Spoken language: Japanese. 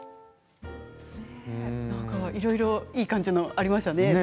いろいろ、いい感じのありましたね。